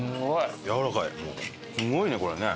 すごいねこれね。